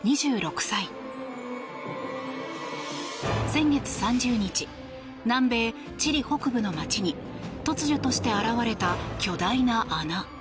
先月３０日、南米チリ北部の街に突如として現れた巨大な穴。